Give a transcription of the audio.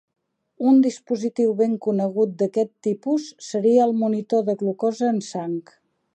Un dispositiu ben conegut d"aquest tipus seria el monitor de glucosa en sang.